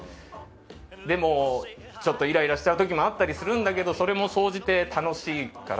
でも、ちょっとイライラしちゃう時もあったりするんだけどそれも総じて楽しいから。